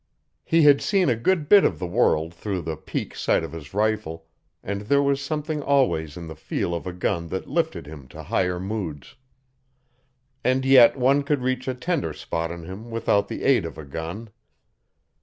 He had seen a good bit of the world through the peek sight of his rifle, and there was something always in the feel of a gun that lifted him to higher moods. And yet one could reach a tender spot in him without the aid of a gun.